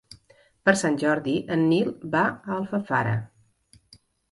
Per Sant Jordi en Nil va a Alfafara.